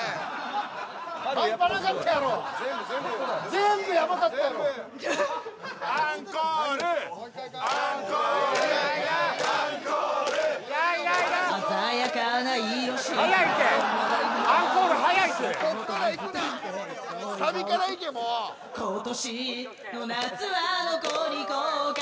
全部ヤバかったやろアンコールアンコールアンコール・いらんいらんいらん鮮やかな色四季おりおりの早いってアンコール早いってそっからいくなサビからいけもう今年の夏はどこに行こうか？